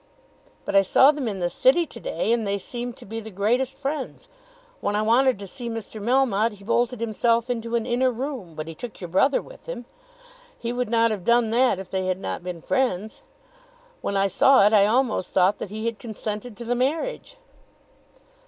"But I saw them in the city to day and they seemed to be the greatest friends. When I wanted to see Mr. Melmotte he bolted himself into an inner room, but he took your brother with him. He would not have done that if they had not been friends. When I saw it I almost thought that he had consented to the marriage."